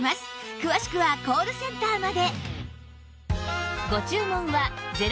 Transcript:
詳しくはコールセンターまで